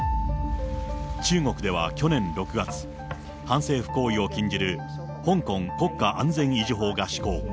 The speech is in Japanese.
中国では去年６月、反政府行為を禁じる香港国家安全維持法が施行。